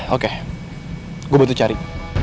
oke gue bantu cari